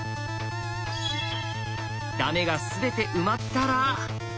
ダメが全て埋まったら。